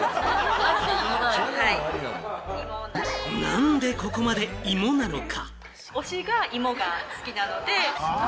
なんでここまで芋なのか？